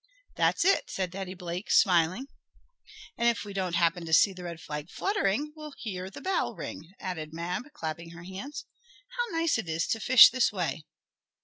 "That's it," said Daddy Blake, smiling. "And if we don't happen to see the red rag fluttering, we will hear the bell ring," added Mab, clapping her hands. "How nice it is to fish this way!"